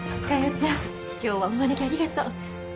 ちゃん今日はお招きありがとう。